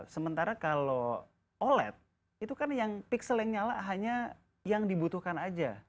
sementara kalau oled itu kan yang pixel yang nyala hanya yang dibutuhkan aja